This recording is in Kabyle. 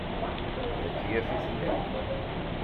D akeyyaf i telliḍ?